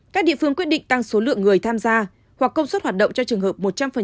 các địa phương quyết định tăng số lượng người tham gia hoặc công suất hoạt động cho trường hợp một trăm linh